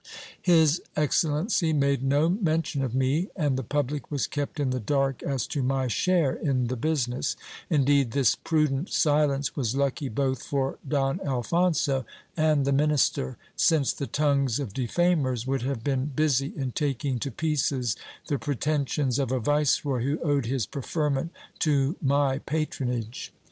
His excellency made no mention of me, and the public was kept in the dark as to my share in the business ; indeed, this prudent silence was lucky both for Don Alphonso and the minister, since the tongues of defamers would have been busy in taking to pieces the pretensions of a viceroy who owed his preferment to my patronage.